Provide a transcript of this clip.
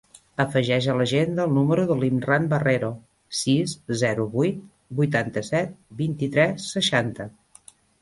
Afegeix a l'agenda el número de l'Imran Barrero: sis, zero, vuit, vuitanta-set, vint-i-tres, seixanta.